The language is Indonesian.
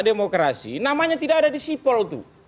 demokrasi namanya tidak ada di sipol tuh